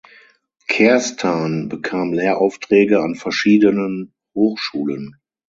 Kerstan bekam Lehraufträge an verschiedenen Hochschulen.